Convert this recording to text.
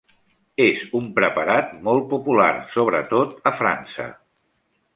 És un preparat molt popular, sobretot a França.